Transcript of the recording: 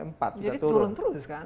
jadi turun terus kan